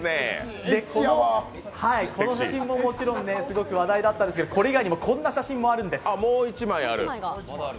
この写真ももちろんすごく話題だったんですがこれ以外にもこんな写真もあるんです。